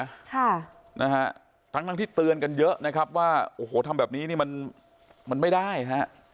ค่ะนะฮะทั้งทั้งที่เตือนกันเยอะนะครับว่าโอ้โหทำแบบนี้นี่มันมันไม่ได้นะฮะ